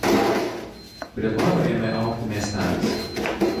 Prie dvaro ėmė augti miestelis.